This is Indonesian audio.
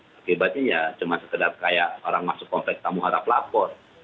akibatnya ya cuma sekedar kayak orang masuk kompleks tamu harap lapor